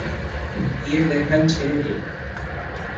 গিয়ে দেখেন ছেলে নেই।